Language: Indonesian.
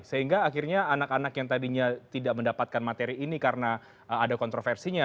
sehingga akhirnya anak anak yang tadinya tidak mendapatkan materi ini karena ada kontroversinya